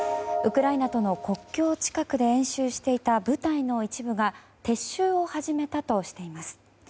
ウクライナとの国境近くで演習していた部隊の一部が撤収を始めたとしています。